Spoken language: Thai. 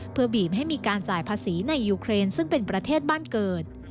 เพื่อบีบให้มีการจ่ายภาษีในยูเครนซึ่งเป็นประเทศบ้านเกิด